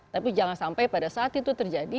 tapi jangan sampai pada saat itu terjadi